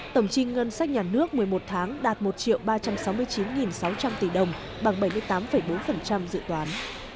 tổng chi ngân sách nhà nước một mươi một tháng đạt một ba trăm sáu mươi chín sáu trăm linh tỷ đồng bằng bảy mươi tám bốn dự toán